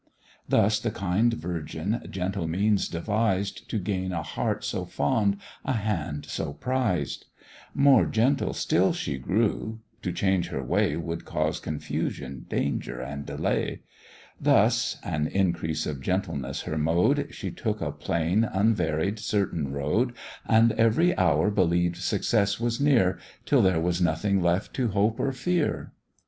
Thus the kind virgin gentle means devised, To gain a heart so fond, a hand so prized; More gentle still she grew, to change her way Would cause confusion, danger, and delay: Thus (an increase of gentleness her mode), She took a plain, unvaried, certain road, And every hour believed success was near, Till there was nothing left to hope or fear.